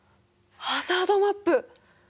ハザードマップ！